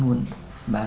vào vào vào